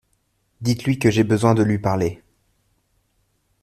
Dites-lui que j’ai besoin de lui parler.